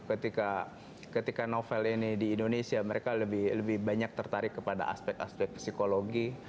ketika novel ini di indonesia mereka lebih banyak tertarik kepada aspek aspek psikologi